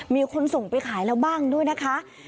มีคนส่งไปขายแล้วบ้างด้วยนะคะ